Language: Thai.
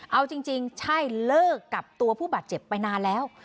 เอาจริงใช่เลิกกับตัวผู้บาดเจ็บไปนานแล้ว